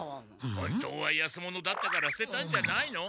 本当は安物だったからすてたんじゃないの？